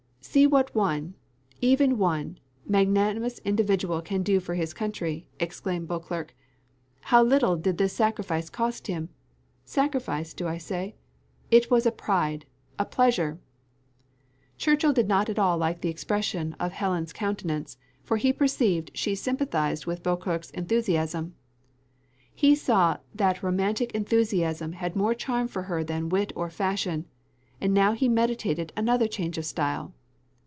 _" "See what one, even one, magnanimous individual can do for his country," exclaimed Beauclerc. "How little did this sacrifice cost him! Sacrifice do I say? it was a pride a pleasure." Churchill did not at all like the expression of Helen's countenance, for he perceived she sympathised with Beauclerc's enthusiasm. He saw that romantic enthusiasm had more charm for her than wit or fashion; and now he meditated another change of style.